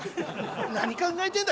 何考えてんだ！